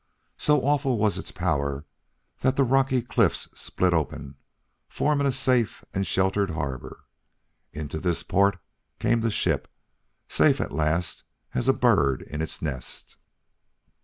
So awful was its power that the rocky cliffs split open, forming a safe and sheltered harbor. Into this port came the ship, safe at last as a bird in its nest.